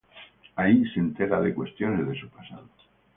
Ahí se entera de cuestiones de su pasado.